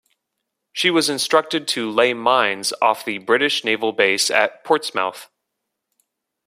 She was instructed to lay mines off the British Naval Base at Portsmouth.